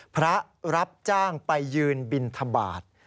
พระรับจ้างไปยืนบิณฑบาต